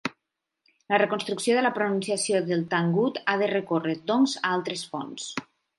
La reconstrucció de la pronunciació del tangut ha de recórrer, doncs, a altres fonts.